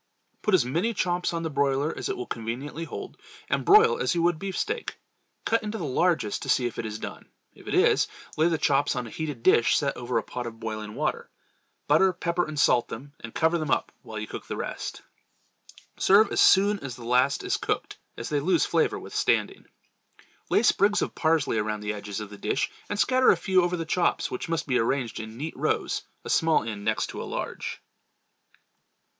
Put as many chops on the broiler as it will conveniently hold, and broil as you would beefsteak. Cut into the largest to see if it is done. If it is, lay the chops on a heated dish set over a pot of boiling water; butter, pepper and salt them, and cover them up while you cook the rest. Serve as soon as the last is cooked, as they lose flavor with standing. Lay sprigs of parsley around the edges of the dish and scatter a few over the chops which must be arranged in neat rows, a small end next to a large.